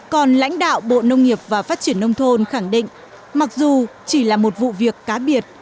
còn lãnh đạo bộ nông nghiệp và phát triển nông thôn khẳng định mặc dù chỉ là một vụ việc cá biệt